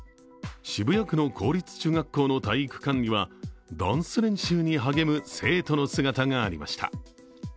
渋谷区の公立中学校の体育館にはダンス練習に励む生徒の姿がありました。